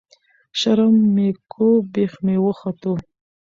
ـ شرم مې کوو بېخ مې وختو.